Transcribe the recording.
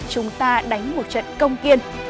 chúng ta đánh một trận công kiên